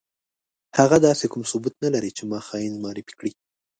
هغه داسې کوم ثبوت نه لري چې ما خاين معرفي کړي.